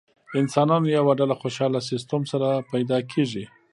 انسانانو یوه ډله خوشاله سیستم سره پیدا کېږي.